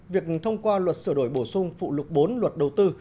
việc thông qua luật sửa đổi bổ sung phụ lục bốn luật đầu tư